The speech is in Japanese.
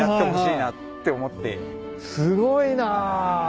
すごいな。